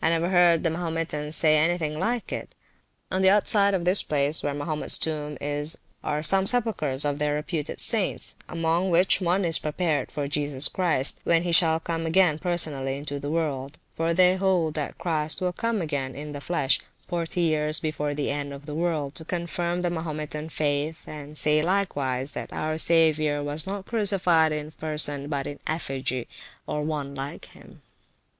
I never heard the Mahometans say anything like it. On the outside of this place, where Mahomets tomb is, are some sepulchres of their reputed saints; among which is one prepared for Jesus Christ, when he shall come again personally into the world; for they hold that Christ will come again in the flesh, forty years before the end of the world, to confirm the Mahometan faith, and say likewise, that our Saviour was not crucified in person, but in effigy, or one like him.